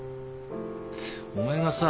お前がさ。